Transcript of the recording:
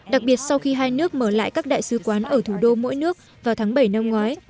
đặc biệt sau khi hai nước mở lại các đại sứ quán ở thủ đô mỗi nước vào tháng bảy năm ngoái